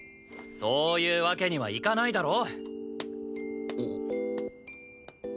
そういうわけにはいかないだろ！